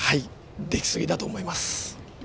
できすぎだと思います。